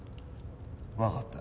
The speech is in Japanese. わかった。